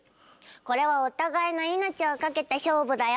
これはお互いの命を懸けた勝負だよ。